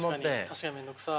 確かに面倒くさい。